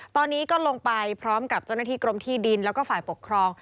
ตอนนี้ก็ลงไปพร้อมกับเจ้าหน้าที่กรมที่ดินแล้วก็ฝ่ายปกครอง